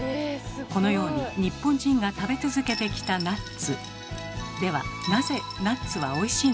このように日本人が食べ続けてきたナッツ。